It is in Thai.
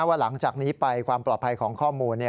หลังจากนี้ไปความปลอดภัยของข้อมูล